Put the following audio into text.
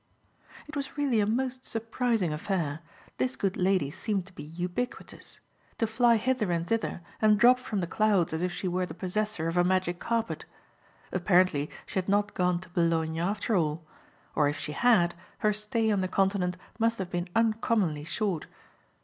It was really a most surprising affair. This good lady seemed to be ubiquitous; to fly hither and thither and drop from the clouds as if she were the possessor of a magic carpet. Apparently she had not gone to Boulogne after all; or if she had, her stay on the Continent must have been uncommonly short.